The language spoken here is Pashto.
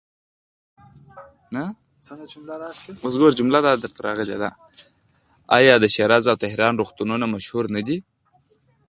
آیا د شیراز او تهران روغتونونه مشهور نه دي؟